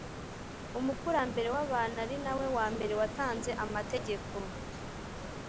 umukurambere w’abantu ari na we wa mbere watanze amategeko